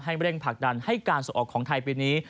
เร่งผลักดันให้การส่งออกของไทยปีนี้